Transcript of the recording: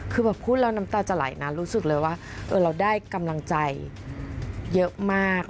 คือแบบพูดแล้วน้ำตาจะไหลนะรู้สึกเลยว่าเราได้กำลังใจเยอะมาก